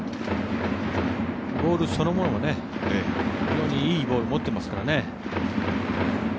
ボールそのものも非常にいいボールを持ってますからね。